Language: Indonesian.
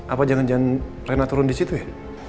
apa jangan jangan reina turun disitu ya